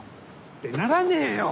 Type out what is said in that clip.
ってならねえよ！